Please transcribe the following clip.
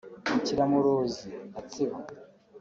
Kiramuruzi (Gatsibo)